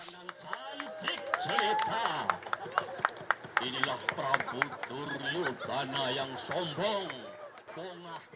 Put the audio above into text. sampai membuat benteng untuk menjaga kapal kapal yang melintas